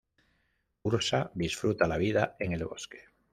Ursa disfruta la vida en el bosque.